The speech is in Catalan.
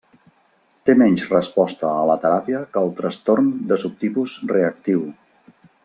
Té menys resposta a la teràpia que el trastorn de subtipus reactiu.